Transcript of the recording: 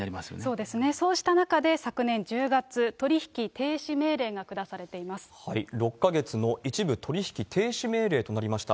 そうですよね、そうした中で、昨年１０月、６か月の一部取引停止命令となりました。